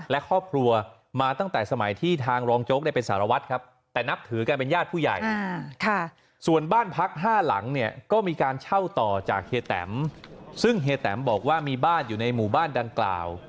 แล้วก็เป็นการปกปิดข้อเรียนจริงให้ศาล